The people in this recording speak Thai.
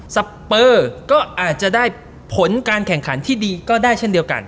สเปอร์ก็อาจจะได้ผลการแข่งขันที่ดีก็ได้เช่นเดียวกัน